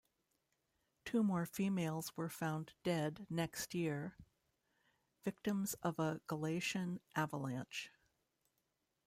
Two more females were found dead next year, victims of a Galician avalanche.